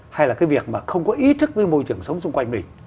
hay là cái việc mà không có ý thức với môi trường sống xung quanh mình